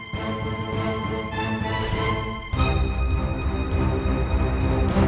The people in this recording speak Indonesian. jadi gue beli senjata di dalam jumlah sertimennya